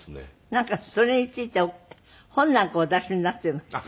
なんかそれについて本なんかお出しになっているんですって？